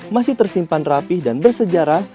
masih tersimpan rapih dan bersejarah